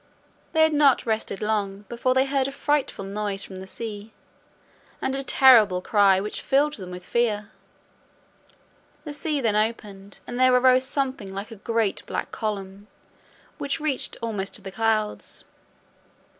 They had not rested long, before they heard a frightful noise from the sea, and a terrible cry, which filled them with fear. The sea then opened, and there arose something like a great black column, which reached almost to the clouds.